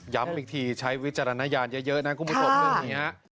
ย้ำอีกทีใช้วิจารณญาณเยอะนะคุณผู้ชม